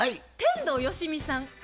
天童よしみさん。